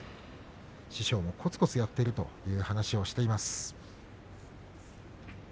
師匠もこつこつやっているという話をしています。